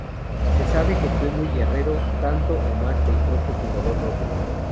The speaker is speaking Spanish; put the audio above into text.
Se sabe que fue muy guerrero, tanto o más que el propio fundador Rómulo.